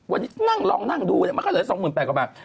วันนี้นั่งลองนั่งดูเนี่ยมันก็เหลือ๒๘๐๐๐กว่ากว่า